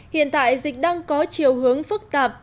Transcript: hiện tại dịch đang có chiều hướng phức tạp